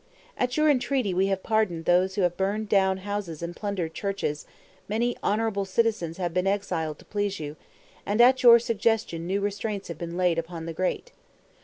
At your entreaty we have pardoned those who have burned down houses and plundered churches; many honorable citizens have been exiled to please you; and at your suggestion new restraints have been laid upon the Great.